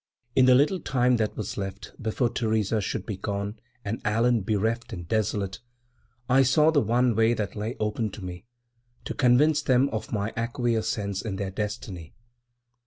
In the little time that was left, before Theresa should be gone and Allan bereft and desolate, I saw the one way that lay open to me to convince them of my acquiescence in their destiny.